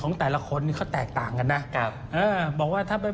ของแต่ละคนนี้เขาแตกต่างกันนะครับเออบอกว่าถ้าไป